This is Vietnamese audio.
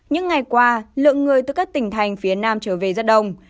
những ngày qua lượng người từ các tỉnh thành phía nam trở về rất đông